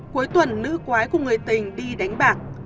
cuối tuần nữ quái của người tình đi đánh bạc